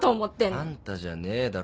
「あんた」じゃねえだろ。